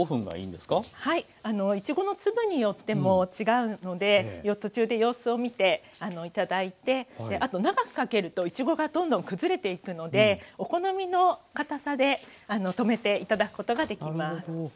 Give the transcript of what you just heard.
はいいちごの粒によっても違うので途中で様子を見て頂いてあと長くかけるといちごがどんどん崩れていくのでお好みの固さで止めて頂くことができます。